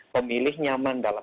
pemilih nyaman dalam